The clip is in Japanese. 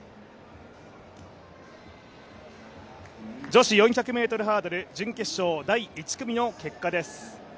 女子４００ｍハードル準決勝、第１組の結果です。